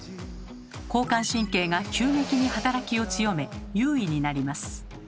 交感神経が急激に働きを強め優位になります。